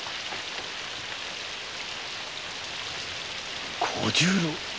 小十郎？